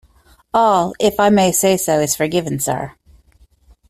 All, if I may say so, is forgiven, sir.